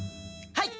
はい！